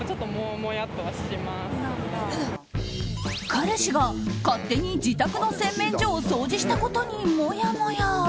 彼氏が勝手に自宅の洗面所を掃除したことに、もやもや。